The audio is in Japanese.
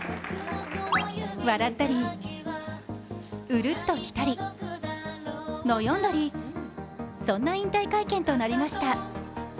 笑ったり、うるっときたり悩んだりそんな引退会見となりました。